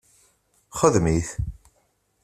Xdem-it